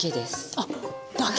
あっ！だけ。